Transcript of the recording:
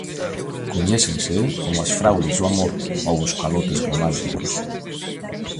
Coñécense como as fraudes do amor ou os calotes románticos.